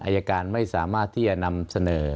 อายการไม่สามารถที่จะนำเสนอ